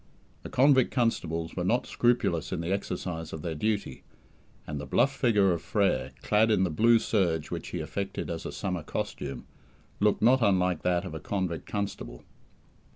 The convict constables were not scrupulous in the exercise of their duty, and the bluff figure of Frere, clad in the blue serge which he affected as a summer costume, looked not unlike that of a convict constable.